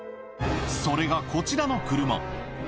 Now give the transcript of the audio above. それがこちらの車